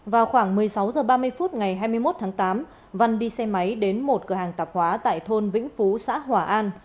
vào khoảng một mươi sáu h ba mươi phút ngày hai mươi một tháng tám văn đi xe máy đến một cửa hàng tạp hóa tại thôn vĩnh phú xã hòa an